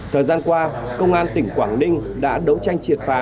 thời gian qua công an tỉnh quảng ninh đã đấu tranh triệt phá